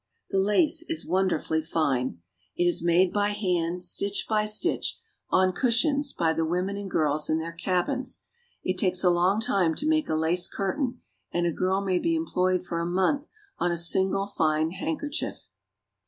The lace is wonderfully fine. 28 IRELAND. It is made by hand, stitch by stitch, on cushions, by the women and girls in their cabins. It takes a long time to make a lace curtain, and a girl may be employed for a month on a single fine handkerchief.